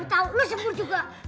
tau tau lu sempur juga